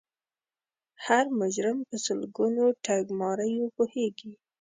هر مجرم په سلګونو ټګماریو پوهیږي